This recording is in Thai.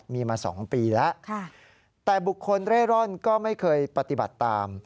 มีมา๒ปีแล้วแต่บุคคลเร่ร่อนก็ไม่เคยปฏิบัติตาม